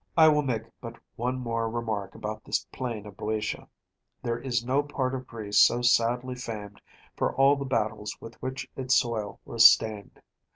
I will make but one more remark about this plain of BŇďotia. There is no part of Greece so sadly famed for all the battles with which its soil was stained.